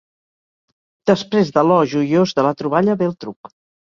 Després de l'oh joiós de la troballa ve el truc.